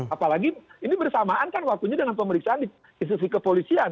apalagi ini bersamaan kan waktunya dengan pemeriksaan di institusi kepolisian